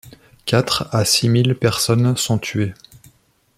Quatre à six mille personnes sont tuées.